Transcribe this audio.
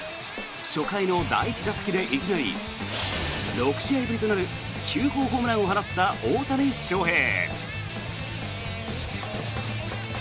初回の第１打席でいきなり６試合ぶりとなる９号ホームランを放った大谷翔平。